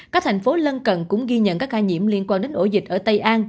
các thành phố lân cận cũng ghi nhận các ca nhiễm liên quan đến ổ dịch ở tây an